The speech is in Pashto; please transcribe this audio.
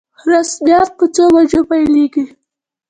رسميات په څو بجو پیلیږي؟